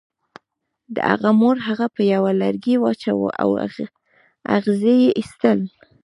د هغه مور هغه په یوه لرګي واچاو او اغزي یې ایستل